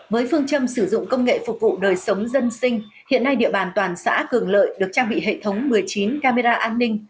với phương châm sử dụng công nghệ phục vụ đời sống dân sinh hiện nay địa bàn toàn xã cường lợi được trang bị hệ thống một mươi chín camera an ninh